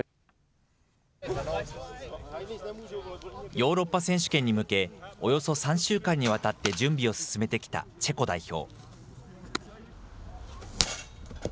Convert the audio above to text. ヨーロッパ選手権に向け、およそ３週間にわたって準備を進めてきたチェコ代表。